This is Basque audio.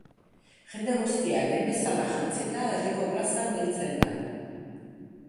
Jende guztia lehen bezala jantzita herriko plazan biltzen da.